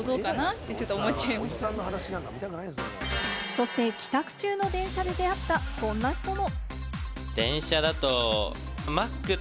そして帰宅中の電車で出会った、こんな人も。